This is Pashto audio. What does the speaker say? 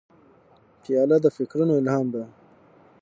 پیاله د فکرونو الهام ده.